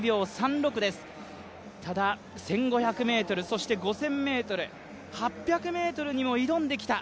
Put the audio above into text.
ただ１５００ｍ、そして５０００ｍ、８００ｍにも挑んできた。